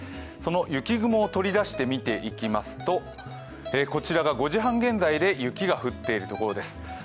その雪雲を取り出して見ていきますと、こちらが５時半現在で雪が降っている所です。